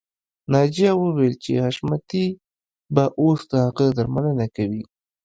ناجیه وویل چې حشمتي به اوس د هغې درملنه کوي